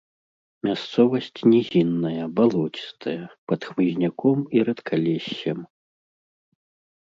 Мясцовасць нізінная, балоцістая, пад хмызняком і рэдкалессем.